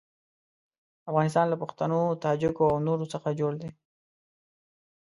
افغانستان له پښتنو، تاجکو او نورو څخه جوړ دی.